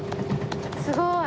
すごい。